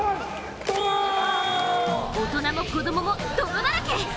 大人も子供も泥だらけ！